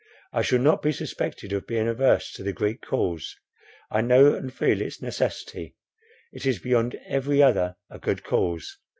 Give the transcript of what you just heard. I shall not be suspected of being averse to the Greek cause; I know and feel its necessity; it is beyond every other a good cause.